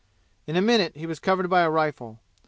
In a minute he was covered by a rifle.